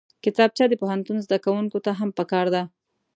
کتابچه د پوهنتون زدکوونکو ته هم پکار ده